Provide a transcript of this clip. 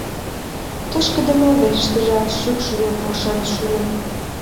Тошкыдымо верыштыжат шӱкшудо пошен шуын.